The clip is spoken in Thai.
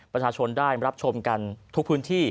ประชาชนได้รับชมกันทุกพื้นที่